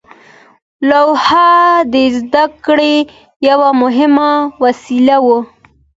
لوحه د زده کړې یوه مهمه وسیله وه.